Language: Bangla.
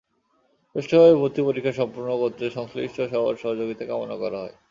সুষ্ঠুভাবে ভর্তি পরীক্ষা সম্পন্ন করতে সংশ্লিষ্ট সবার সহযোগিতা কামনা করা হয়।